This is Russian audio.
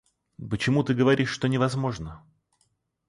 Почему ты говоришь, что невозможно?